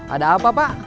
ada apa pak